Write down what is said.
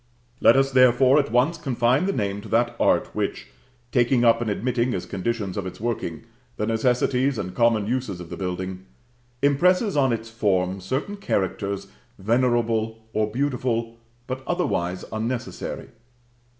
Let us, therefore, at once confine the name to that art which, taking up and admitting, as conditions of its working, the necessities and common uses of the building, impresses on its form certain characters venerable or beautiful, but otherwise unnecessary.